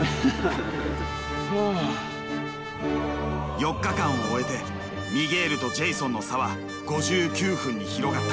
４日間を終えてミゲールとジェイソンの差は５９分に広がった。